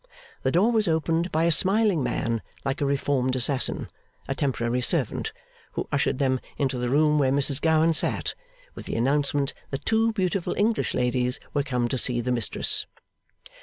The door was opened by a smiling man like a reformed assassin a temporary servant who ushered them into the room where Mrs Gowan sat, with the announcement that two beautiful English ladies were come to see the mistress.